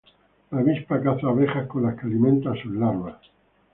La avispa caza abejas, con las que alimenta a sus larvas.